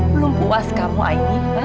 belum puas kamu aini